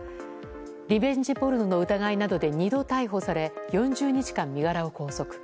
リベンジポルノの疑いなどで２度、逮捕され４０日間身柄を拘束。